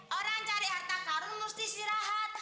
orang cari harta karun mesti istirahat